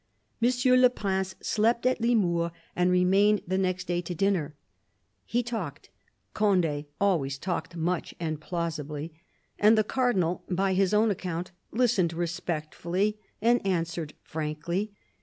Monsieur le Prince slept at Limours, and remained the next day to dinner. He talked — Conde always talked much and plausibly — and the Cardinal, by his own account, listened respectfully and answered frankly.